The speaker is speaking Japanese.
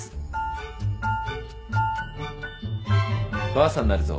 ばあさんになるぞ。